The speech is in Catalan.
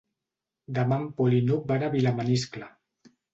Demà en Pol i n'Hug van a Vilamaniscle.